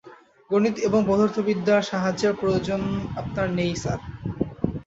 গণিত এবং পদার্থবিদ্যার সাহায্যের প্রয়োজন আপনার নেই, স্যার।